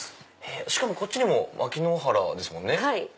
しかもこっちにも牧之原ですもんね。